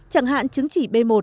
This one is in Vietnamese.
chẳng hạn chứng chỉ b một